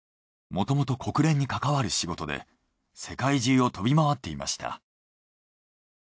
もともと国連に関わる仕事で世界中を飛び回っていました。